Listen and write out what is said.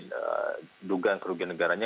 dan dugaan kerugian negaranya